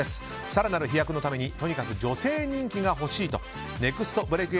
更なる飛躍のためにとにかく女性人気が欲しいとＮＥＸＴブレイク